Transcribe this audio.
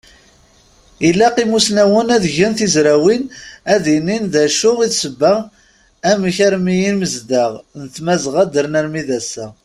Ilaq imusnawen ad gen tizrawin, ad anin d acu i d ssebba amek armi inezdaɣ n Tmazɣa ddren armi d assa!